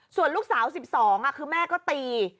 ส่วนลูกสาว๑๒คือแม่ก็ตี